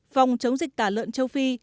phòng chống dịch tả lợn châu phi